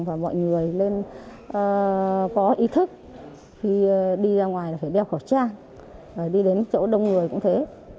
và mọi người nên có ý thức khi đi ra ngoài là phải đeo khẩu trang đi đến chỗ đông người cũng thế